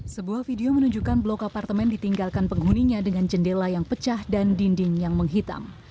sebuah video menunjukkan blok apartemen ditinggalkan penghuninya dengan jendela yang pecah dan dinding yang menghitam